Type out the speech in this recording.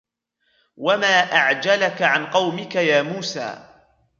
وما أعجلك عن قومك يا موسى